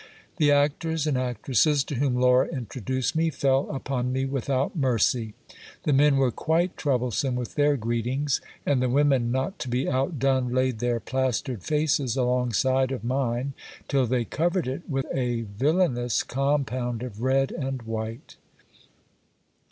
The actors and actresses, to whom Laura introduced me, fell upon me without mercy. The men were quite troublesome with their greetings ; and the women, not to be outdone, laid their plastered faces alongside of mine, till they covered it with a villanous compound of red and white.